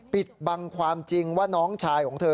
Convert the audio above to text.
ปิดบังความจริงว่าน้องชายของเธอ